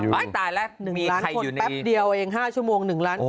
ตายแล้ว๑ล้านคนแป๊บเดียวเอง๕ชั่วโมง๑ล้านคน